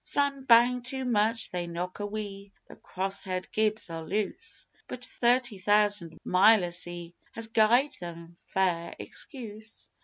Slam bang too much they knock a wee the crosshead gibs are loose; But thirty thousand mile o' sea has gied them fair excuse....